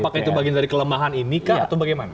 apakah itu bagian dari kelemahan ini kah atau bagaimana